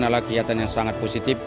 adalah kegiatan yang sangat positif